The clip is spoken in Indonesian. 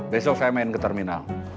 besok saya main ke terminal